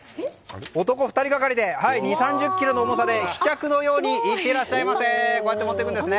男２人がかりで２０３０ｋｇの重さを飛脚のようにこうやって持っていくんですね。